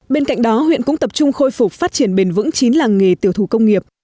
bên cạnh đó huyện cũng tập trung khôi phục phát triển bền vững chín làng nghề tiểu thủ công nghiệp